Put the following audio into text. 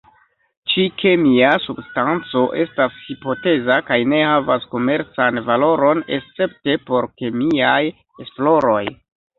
Ĉi-kemia substanco estas hipoteza kaj ne havas komercan valoron, escepte por kemiaj esploroj.